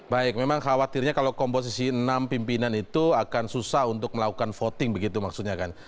baik memang khawatirnya kalau komposisi enam pimpinan itu akan susah untuk melakukan voting begitu maksudnya kan